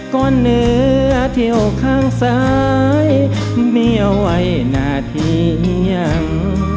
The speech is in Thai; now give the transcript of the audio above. ก็เหนือเที่ยวข้างซ้ายมีเอาไว้นาทียัง